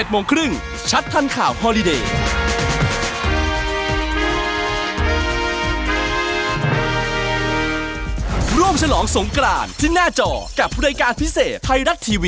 โมงครึ่งชัดทันข่าวฮอลิเดย์